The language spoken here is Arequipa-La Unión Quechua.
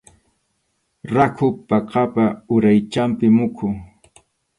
Rakhu phakapa uraychanpi muqu.